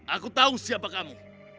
aku tahu siapa kamu